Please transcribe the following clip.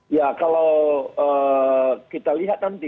ya kalau kita lihat nanti